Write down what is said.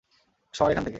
সর এখানে থেকে।